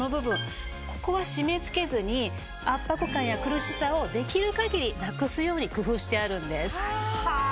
ここは締め付けずに圧迫感や苦しさをできる限りなくすように工夫してあるんです。